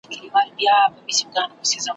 لا« څشي غواړی» له واکمنانو `